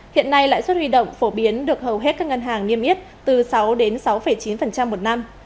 hiện nay lãi suất huy động phổ biến được hầu hết các ngân hàng nghiêm yết từ sáu đến sáu chín một năm